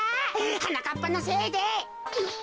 はなかっぱのせいで。